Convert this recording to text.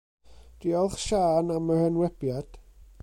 Diolch Siân am yr enwebiad.